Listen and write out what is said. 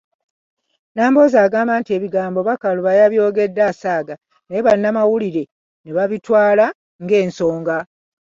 Nambooze agamba nti ebigambo Bakaluba yabyogedde asaaga naye bannamawulire ne babitwala ng'ensonga.